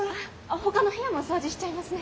ほかの部屋も掃除しちゃいますね。